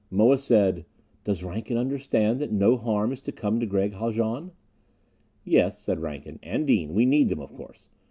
Moa said, "Does Rankin understand that no harm is to come to Gregg Haljan?" "Yes," said Rankin. "And Dean. We need them, of course.